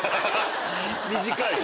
短い。